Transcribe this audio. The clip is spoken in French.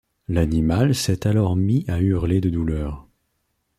L'animal s'est alors mis à hurler de douleur.